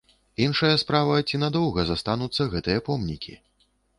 Іншая справа, ці надоўга застануцца гэтыя помнікі?